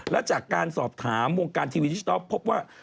และจากการสอบถามวงการทีวีดิจิทัลพบว่า